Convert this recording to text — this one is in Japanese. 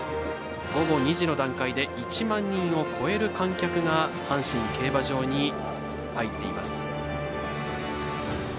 午後２時の段階で１万人を超える観客が阪神競馬場に入っています。